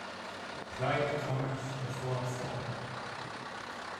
Pride cometh before a fall.